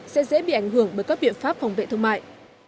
sẽ dễ bị ảnh hưởng bởi các biện pháp phòng vệ thương mại